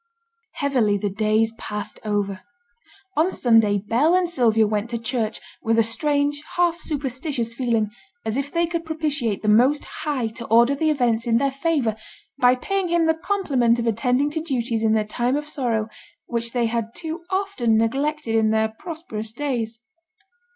Heavily the days passed over. On Sunday Bell and Sylvia went to church, with a strange, half superstitious feeling, as if they could propitiate the Most High to order the events in their favour by paying Him the compliment of attending to duties in their time of sorrow which they had too often neglected in their prosperous days.